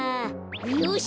よし！